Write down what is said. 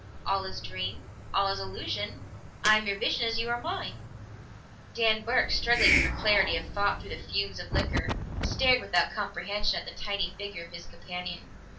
"All is dream, all is illusion; I am your vision as you are mine." Dan Burke, struggling for clarity of thought through the fumes of liquor, stared without comprehension at the tiny figure of his companion.